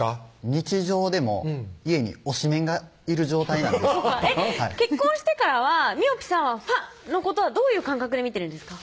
日常でも家に推しメンがいる状態なんで結婚してからはみおぴさんはファンのことはどういう感覚で見てるんですか？